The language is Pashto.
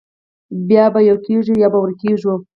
یا به یو کېږو او یا به ورکېږو